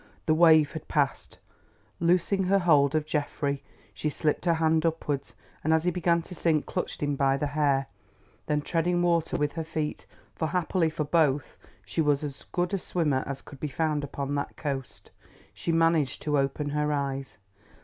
The wave had passed. Loosing her hold of Geoffrey she slipped her hand upwards, and as he began to sink clutched him by the hair. Then treading water with her feet, for happily for them both she was as good a swimmer as could be found upon that coast, she managed to open her eyes.